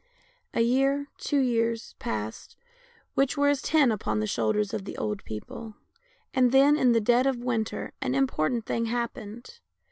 A year, two years, passed, which were as ten upon the shoulders of the old people, and then, in the dead of winter, an important thing happened.